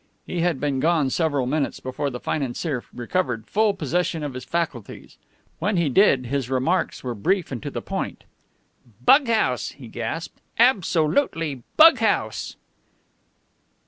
He had been gone several minutes before the financier recovered full possession of his faculties. When he did, his remarks were brief and to the point. "Bug house!" he gasped. "Abso lutely bug house!"